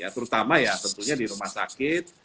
terutama ya tentunya di rumah sakit